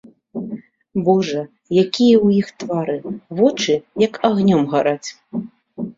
Божа, якія ў іх твары, вочы як агнём гараць.